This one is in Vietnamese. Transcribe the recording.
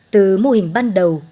từ mô hình ban đầu